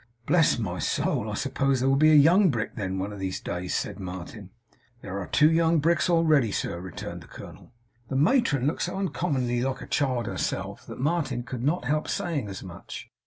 'Bless my soul! I suppose there will be a young Brick then, one of these days?' said Martin. 'There are two young Bricks already, sir,' returned the colonel. The matron looked so uncommonly like a child herself, that Martin could not help saying as much.